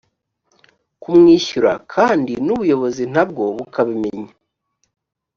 kumwishyura kandi n ubuyobozi ntabwo bukabimenya